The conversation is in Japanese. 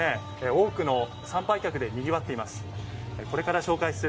多くの参拝客でにぎわっています。